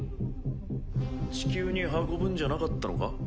地球に運ぶんじゃなかったのか？